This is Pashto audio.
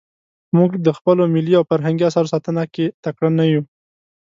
موږ د خپلو ملي او فرهنګي اثارو ساتنه کې تکړه نه یو.